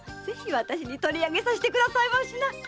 ぜひ私に取りあげさせてくださいましな！